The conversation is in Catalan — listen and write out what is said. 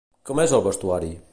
Com és el vestuari?